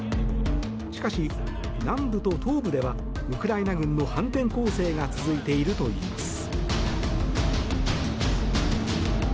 しかし、南部と東部ではウクライナ軍の反転攻勢が続いているといいます。